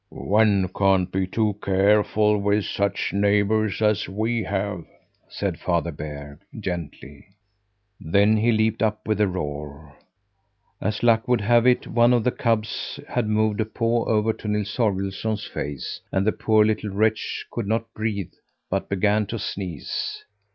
"One can't be too careful, with such neighbours as we have," said Father Bear gently. Then he leaped up with a roar. As luck would have it, one of the cubs had moved a paw over to Nils Holgersson's face and the poor little wretch could not breathe, but began to sneeze.